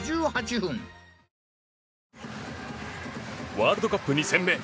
ワールドカップ２戦目